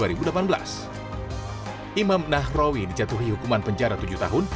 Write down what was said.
imam nahrawi dijatuhi hukuman penjara tujuh tahun